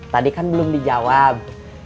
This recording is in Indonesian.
tadi kan belum dijawab